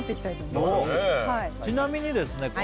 ちなみにですね